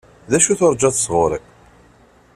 D acu turǧaḍ sɣuṛ-i?